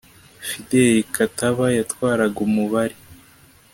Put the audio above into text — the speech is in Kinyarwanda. Fideli Kataba yatwaraga Umubari